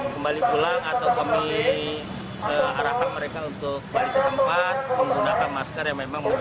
kembali pulang atau kami arahkan mereka untuk balik ke tempat menggunakan masker yang memang